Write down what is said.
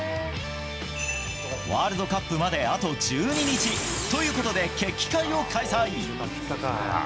ワールドカップまであと１２日ということで決起会を開催。